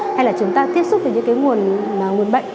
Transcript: hay là chúng ta tiếp xúc với những cái nguồn bệnh